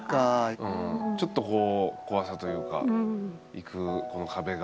ちょっとこう怖さというか行くこの壁が。